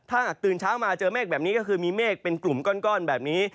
ถ้าตื่นเช้ามาเจอเมฆแบบนี้ก็คือมีเมฆเป็นกลุ่มก้อนแบบนี้